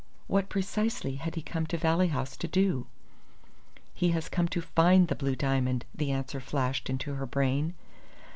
What precisely had he come to Valley House to do? "He has come to find the blue diamond!" the answer flashed into her brain.